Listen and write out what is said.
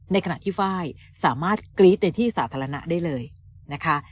ในขณะที่ไฟล์สามารถกรี๊ดในที่สาธารณะได้เลยนะคะ